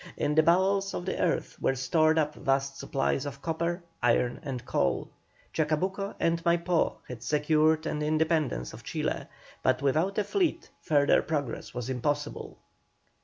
In the bowels of the earth were stored up vast supplies of copper, iron, and coal. Chacabuco and Maipó had secured the independence of Chile, but without a fleet further progress was impossible.